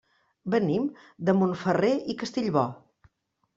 Venim de Montferrer i Castellbò.